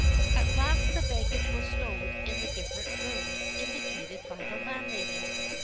At last the baggage was stowed in the different rooms indicated by the landlady.